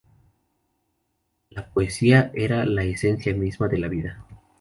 La poesía era la esencia misma de la vida".